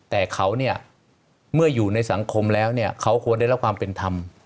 แต่เขาเนี่ยเมื่ออยู่ในสังคมแล้วเนี่ยเขาควรได้รับความเป็นธรรม